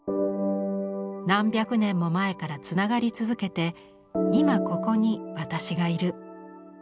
「何百年も前から繋がり続けて今ここに私がいる。